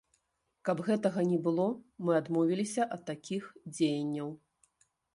Каб гэтага не было, мы адмовіліся ад такіх дзеянняў.